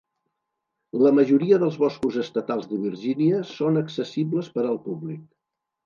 La majoria dels boscos estatals de Virginia són accessibles per al públic.